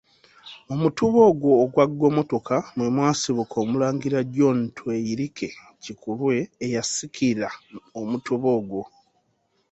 Mu mutuba ogwo ogwa Ggomotoka, mwe mwasibuka Omulangira John Tweyirike Kikulwe eyasikira Omutuba ogwo.